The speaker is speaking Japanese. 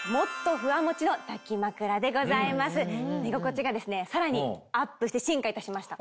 寝心地がさらにアップして進化いたしました。